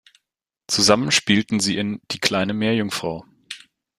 Zusammen spielten sie in "Die kleine Meerjungfrau".